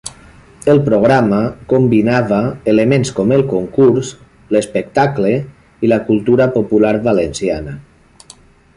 El programa combinava elements com el concurs, l'espectacle i la cultura popular valenciana.